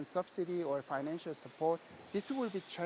atau bantuan finansial ini akan menjadi